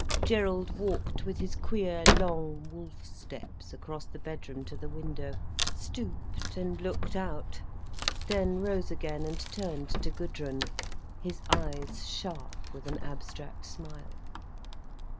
Gerald walked with his queer, long wolf steps across the bedroom to the window, stooped and looked out, then rose again, and turned to Gudrun, his eyes sharp with an abstract smile.